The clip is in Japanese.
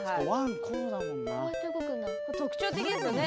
特徴的ですよね。